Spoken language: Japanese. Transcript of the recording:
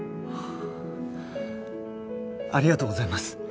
ありがとうございます。